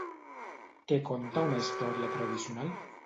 Què conta una història tradicional?